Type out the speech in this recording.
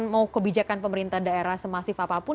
mau kebijakan pemerintah daerah semasif apapun